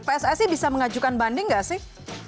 pssi bisa mengajukan banding nggak sih